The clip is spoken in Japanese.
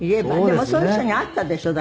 でもそういう人に会ったでしょ？